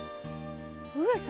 上様？